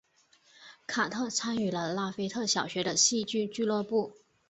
卡特参与了拉斐特小学的戏剧俱乐部。